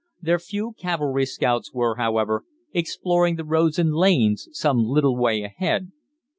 Their few cavalry scouts were, however, exploring the roads and lanes some little way ahead.